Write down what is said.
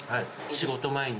仕事前に。